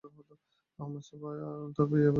আহমদ ছফা তার এই বইয়ের সমালোচনা করেন।